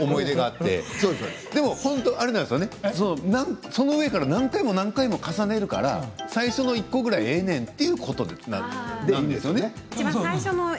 でもその上から何回も何回も重ねるから最初の１個ぐらいは、ええねんということだったんですよね。